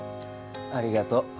ありがとう